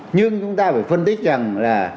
nhưng chúng ta phải phân tích rằng là